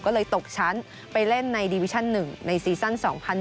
ก็เลยตกชั้นไปเล่นในดิวิชั่น๑ในซีซั่น๒๐๒๐